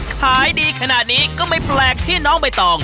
ขายดีขนาดนี้ก็ไม่แปลกที่น้องใบตอง